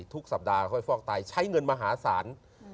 ทุกสัปดาห์ค่อยฟอกไตใช้เงินมหาศาล